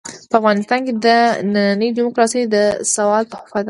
په افغانستان کې ننۍ ډيموکراسي د سوال تحفه ده.